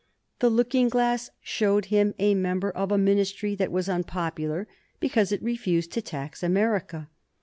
The looking glass showed him a member of a Ministry that was unpopular because it refused to tax America.